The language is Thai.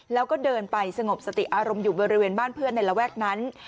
แล้วก็เดินไปสงบสติอารมณ์อยู่บริเวณบ้านเพื่อนในระแวกนั้น